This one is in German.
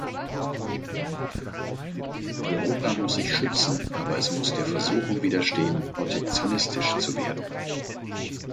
Europa muss sich schützen aber es muss der Versuchung widerstehen, protektionistisch zu werden.